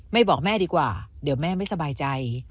บอกแม่ดีกว่าเดี๋ยวแม่ไม่สบายใจ